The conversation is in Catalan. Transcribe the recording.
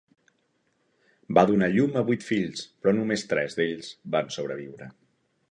Va donar a llum a vuit fills, però només tres d'ells van sobreviure.